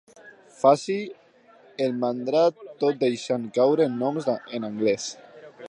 Faci el mandra tot deixant caure noms en anglès.